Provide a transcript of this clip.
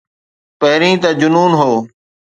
پهرين ته جنون هو.